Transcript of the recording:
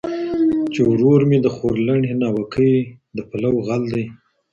چي ورور مي د خورلڼي ناوکۍ د پلو غل دی